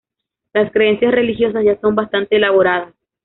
Las creencias religiosas ya son bastante elaboradas.